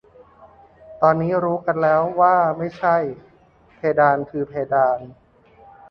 ตอนนี้รู้กันแล้วว่าไม่ใช่ เพดานคือเพดาน